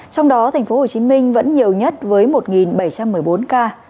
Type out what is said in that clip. trong đó tp hcm vẫn nhiều nhất với một bảy trăm một mươi bốn ca